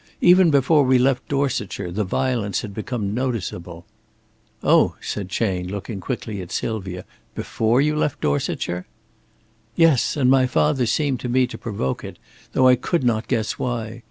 Even before we left Dorsetshire the violence had become noticeable." "Oh!" said Chayne, looking quickly at Sylvia. "Before you left Dorsetshire?" "Yes; and my father seemed to me to provoke it, though I could not guess why.